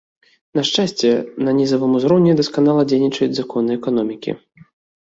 На шчасце, на нізавым узроўні дасканала дзейнічаюць законы эканомікі.